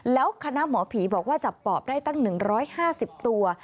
แล้วคณะหมอผีบอกว่าจับปอบได้ตั้ง๑๕๐ตัว